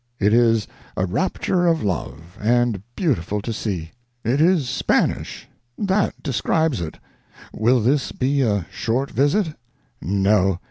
It is a rapture of love, and beautiful to see. It is Spanish; that describes it. Will this be a short visit? No.